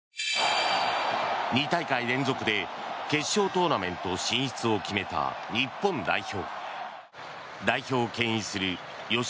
２大会連続で決勝トーナメント進出を決めた日本代表。